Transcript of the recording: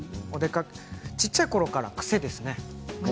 小さいころから癖ですね。